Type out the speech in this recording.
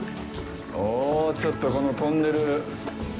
お、ちょっとこのトンネル。